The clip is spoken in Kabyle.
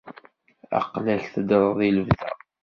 Aql-ak teddreḍ i lebda.